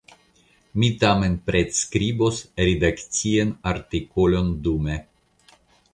Mi tamen pretskribos redakcian artikolon dume.